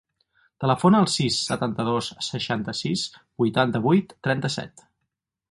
Telefona al sis, setanta-dos, seixanta-sis, vuitanta-vuit, trenta-set.